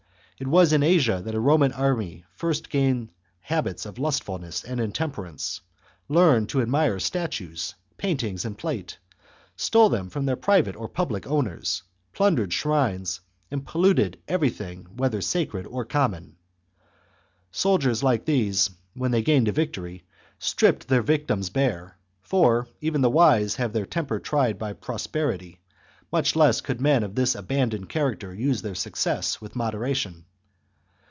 It was in Asia that a Roman army first gained habits of lustfulness and intemperance, learned to admire statues, paint ings, and plate, stole them from their private or public owners, plundered shrines, and polluted every thing whether sacred or common. Soldiers like these, when they gained a victory, stripped their victims bare, for, since even the wise have their temper tried by prosperity, much less could men of this abandoned CHAP, character use their success with moderation.